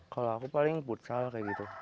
kalau aku paling futsal kayak gitu